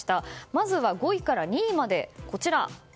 まずは５位から２位まで。